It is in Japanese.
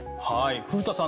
古田さん